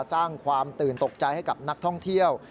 สร้างความตื่นตกใจให้กับนักท่องเที่ยว